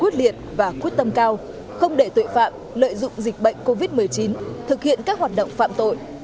quyết liệt và quyết tâm cao không để tội phạm lợi dụng dịch bệnh covid một mươi chín thực hiện các hoạt động phạm tội